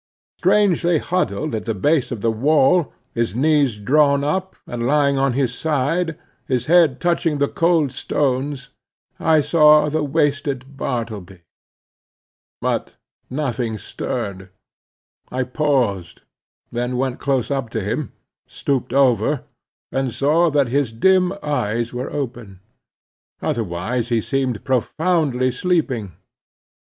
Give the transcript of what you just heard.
Strangely huddled at the base of the wall, his knees drawn up, and lying on his side, his head touching the cold stones, I saw the wasted Bartleby. But nothing stirred. I paused; then went close up to him; stooped over, and saw that his dim eyes were open; otherwise he seemed profoundly sleeping.